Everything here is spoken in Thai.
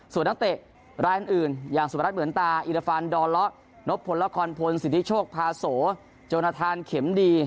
ส่วนนักเตะรายอื่นอย่างสุพรัฐเหมือนตาอิรฟันดอเลาะนบพลละครพลสิทธิโชคพาโสจนทานเข็มดี